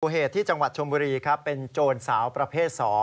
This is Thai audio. เหตุที่จังหวัดชมบุรีครับเป็นโจรสาวประเภท๒